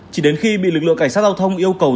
chỉ đến khi bị lực lượng cảnh sát giao thông yêu cầu